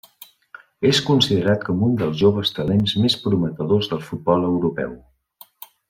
És considerat com un dels joves talents més prometedors del futbol europeu.